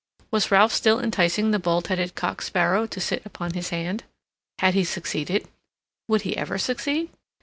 Was Ralph still enticing the bald headed cock sparrow to sit upon his hand? Had he succeeded? Would he ever succeed?